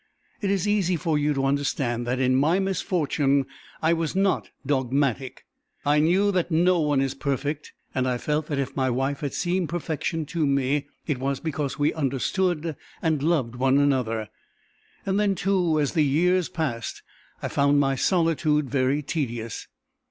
It is easy for you to understand that in my misfortune I was not dogmatic. I knew that no one is perfect, and I felt that if my wife had seemed perfection to me it was because we understood and loved one another. Then, too, as years passed I found my solitude very tedious.